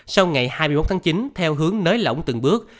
sau ngày hai mươi một tháng chín theo hướng nới lỏng từng bước